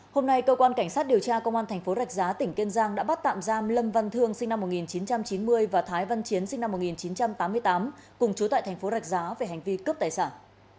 hôm nay cơ quan cảnh sát điều tra công an thành phố rạch giá tỉnh kiên giang đã bắt tạm giam lâm văn thương sinh năm một nghìn chín trăm chín mươi và thái văn chiến sinh năm một nghìn chín trăm tám mươi tám cùng chú tại thành phố rạch giá về hành vi cướp tài sản